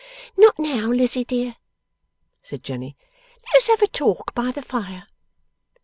'Not now, Lizzie, dear,' said Jenny; 'let us have a talk by the fire.